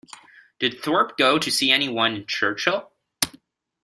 Did Thorpe go to see any one in Churchill.